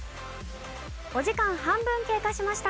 お時間半分経過しました。